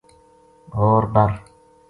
ہور بر